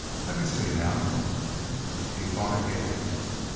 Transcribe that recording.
Let me see now." He thought again.